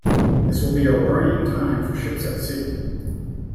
This'll be a worrying time for ships at sea.